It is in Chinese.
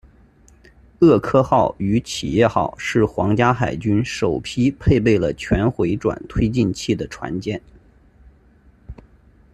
厄科号与企业号是皇家海军首批配备了全回转推进器的船舰。